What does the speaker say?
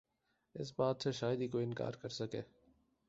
اس بات سے شاید ہی کوئی انکار کرسکے